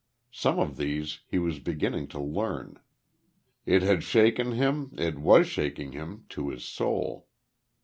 Some of these he was beginning to learn. It had shaken him it was shaking him to his soul.